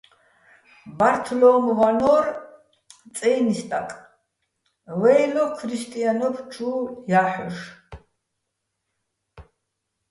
ბართლო́მ ვანორ წაჲნი̆ სტაკ, ვაჲლო ქრისტიანობ ჩუ ჲა́ჰ̦ოშ.